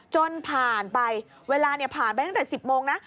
จนผ่านไปเวลาผ่านไปตั้งแต่๑๐โมงนะ